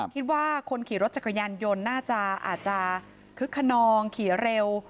คิดว่าคนขี่รถจักรยานยนต์น่าจะอาจจะคึกขนองขี่เร็ว